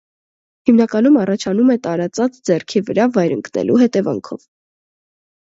Հիմնականում առաջանում է տարածած ձեռքի վրա վայր ընկնելու հետևանքով։